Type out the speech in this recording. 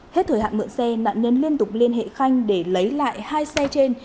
hết thời hạn mượn xe nạn nhân liên tục liên hệ khanh để lấy lại hai xe trên